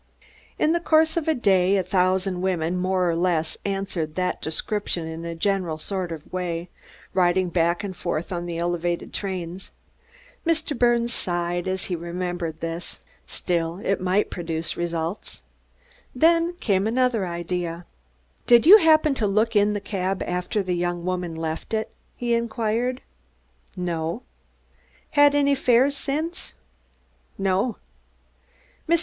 In the course of a day a thousand women, more or less, answering that description in a general sort of way, ride back and forth on the elevated trains. Mr. Birnes sighed as he remembered this; still it might produce results. Then came another idea. "Did you happen to look in the cab after the young woman left it?" he inquired. "No." "Had any fares since?" "No."